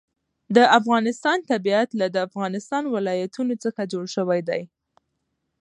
د افغانستان طبیعت له د افغانستان ولايتونه څخه جوړ شوی دی.